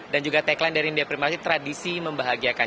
dan juga teklan dari nendia prima rasa tradisi membahagiakan